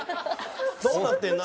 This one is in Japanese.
どうなってんの？